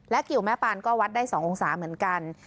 คิวแม่ปานก็วัดได้๒องศาเหมือนกัน